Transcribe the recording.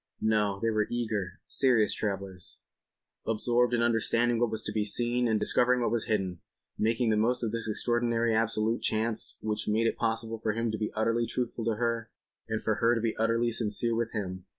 No, they were eager, serious travellers, absorbed in understanding what was to be seen and discovering what was hidden—making the most of this extraordinary absolute chance which made it possible for him to be utterly truthful to her and for her to be utterly sincere with him.